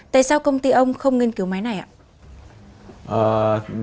tại sao công ty ông không nghiên cứu máy này ạ